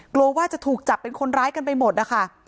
กลัวว่าจะถูกจับเป็นคนร้ายกันไปหมดนะคะ